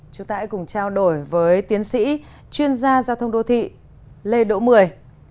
chúng ta hãy cùng trao đổi với tiến sĩ chuyên gia giao thông đô thị lê đỗ mười